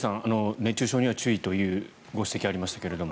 熱中症には注意というご指摘がありましたけれども。